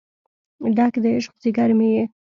ډک د عشق ځیګر مې یې